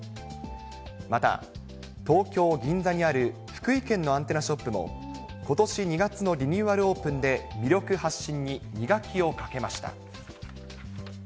また、東京・銀座にある福井県のアンテナショップも、ことし２月のリニューアルオープンで魅力発信に磨きをかけました。